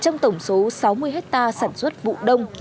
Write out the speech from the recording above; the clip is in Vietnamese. trong tổng số sáu mươi hectare sản xuất vụ đông